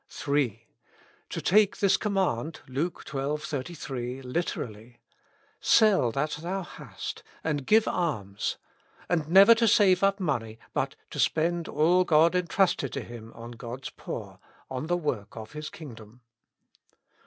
3. To take this command (Luke xii. 33) literally, ''Sell that thou hast and give alms, and never to save up money, but to spend all God entrusted to him on God's poor, on the work of His kingdom.